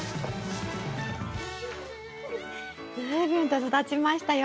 随分と育ちましたよ。